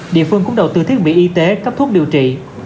địa phương cũng đầu tư thiết bị y tế cấp thuốc điều trị